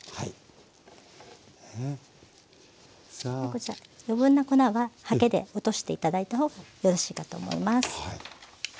こちら余分な粉ははけで落として頂いた方がよろしいかと思います。